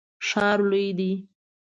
ښار لوی دی